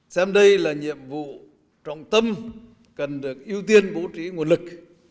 xem đây là nhiệm vụ trọng tâm cần được ưu tiên bố trí nguồn lực